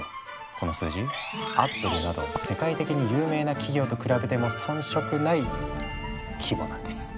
この数字アップルなど世界的に有名な企業と比べても遜色ない規模なんです。